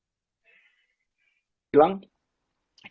tapi kalau kita ngomongin film tahun ini tuh